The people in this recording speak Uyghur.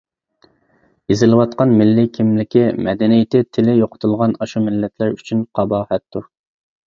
ئېزىلىۋاتقان، مىللىي كىملىكى، مەدەنىيىتى، تىلى يوقىتىلغان ئاشۇ مىللەتلەر ئۈچۈن قاباھەتتۇر.